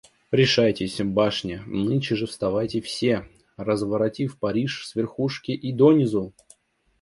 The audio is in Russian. Решайтесь, башня, — нынче же вставайте все, разворотив Париж с верхушки и до низу!